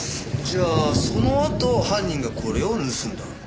じゃあそのあと犯人がこれを盗んだ。